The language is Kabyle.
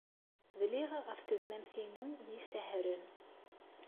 Dliɣ ɣef tezmamt-inu n yisihaṛen.